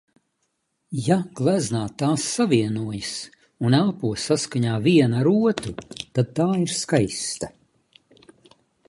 Ja gleznā tās savienojas un elpo saskaņā viena ar otru, tad tā ir skaista.